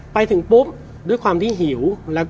ไปถึงปุ๊บด้วยความที่หิว